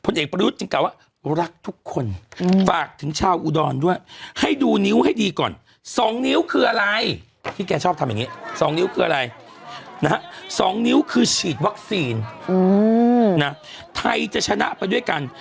๒นิ้วคืออะไรนะฮะ๒นิ้วคือฉีดวัคซีนอื้อนะไทยจะชนะไปด้วยกัน